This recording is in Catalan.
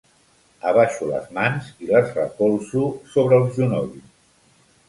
Abaixo les mans i les recolzo sobre els genolls.